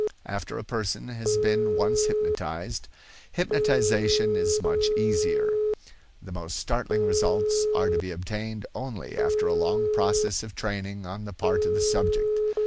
After a person has been once hypnotized, hypnotization is much easier. The most startling results are to be obtained only after a long process of training on the part of the subject.